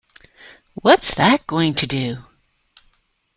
What's that going to do?